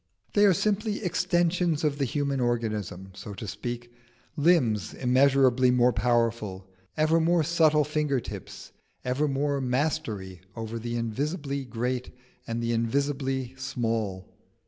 They are simply extensions of the human organism, so to speak, limbs immeasurably more powerful, ever more subtle finger tips, ever more mastery over the invisibly great and the invisibly small.